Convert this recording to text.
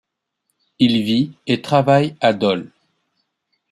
Il vit et travaille à Dole.